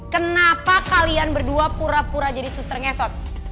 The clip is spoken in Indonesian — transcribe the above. kenapa kalian berdua pura pura jadi suster ngesot